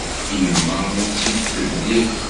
Yemma ur tt-id-tebdir.